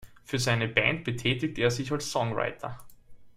Für seine Band betätigt er sich als Songwriter.